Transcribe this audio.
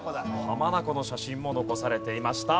浜名湖の写真も残されていました。